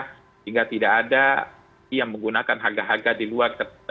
sehingga tidak ada yang menggunakan harga harga di luar